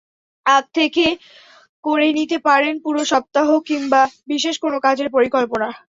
আগে থেকে করে নিতে পারেন পুরো সপ্তাহ কিংবা বিশেষ কোনো কাজের পরিকল্পনা।